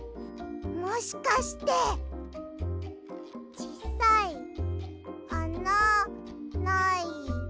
もしかしてちっさいあなない。